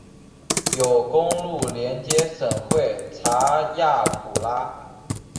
有公路连接省会查亚普拉。